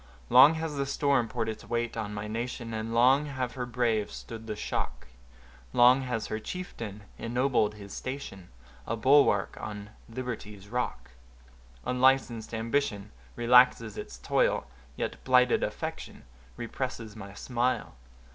Long has the storm poured its weight on my nation, And long have her braves stood the shock; Long has her chieftain ennobled his station, A bulwark on liberty's rock; Unlicensed ambition relaxes its toil, Yet blighted affection represses my smile.